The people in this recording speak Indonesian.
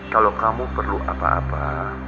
kalau kamu perlu apa apa